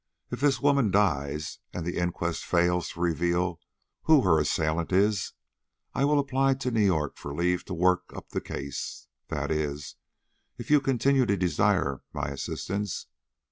If this woman dies, and the inquest fails to reveal who her assailant is, I will apply to New York for leave to work up the case; that is, if you continue to desire my assistance.